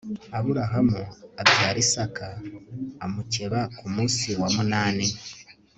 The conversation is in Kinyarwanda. aburahamu abyara isaka amukeba ku munsi wa munani